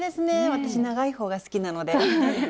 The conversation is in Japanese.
私長いほうが好きなので。